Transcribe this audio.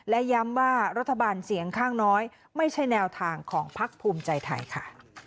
และย้ำว่ารัฐบาลเสียงข้างน้อยไม่ใช่แนวทางของพักภูมิใจไทยค่ะ